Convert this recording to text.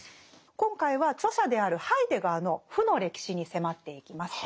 今回は著者であるハイデガーの負の歴史に迫っていきます。